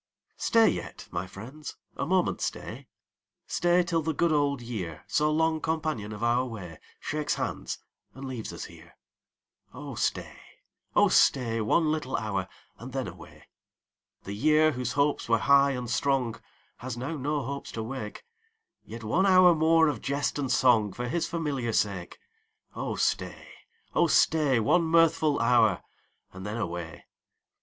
Stat yet, my friends, a moment stay — Stay till the good old year, So long companion of our way, Shakes hands, and leaves ns here. Oh stay, oh stay. One little hour, and then away. The year, whose hopes were high and strong, Has now no hopes to wake ; Yet one hour more of jest and song For his familiar sake. Oh stay, oh stay, One mirthful hour, and then away.